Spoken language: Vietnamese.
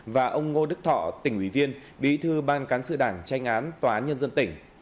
và ông ngô đức thọ tỉnh ủy viên bí thư ban cán sự đảng tranh án tòa án nhân dân tỉnh